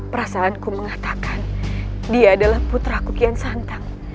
perasaanku mengatakan dia adalah putraku kian santang